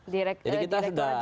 direkturan juga ada ya